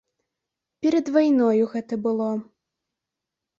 Перад вайною гэта было.